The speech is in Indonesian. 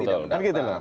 kan gitu loh